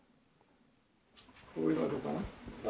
こういうのはどうかな？